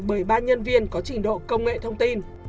bởi ba nhân viên có trình độ công nghệ thông tin